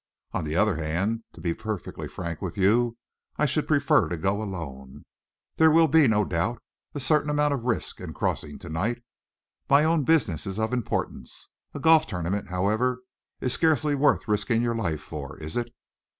On the other hand, to be perfectly frank with you, I should prefer to go alone. There will be, no doubt, a certain amount of risk in crossing to night. My own business is of importance. A golf tournament, however, is scarcely worth risking your life for, is it?"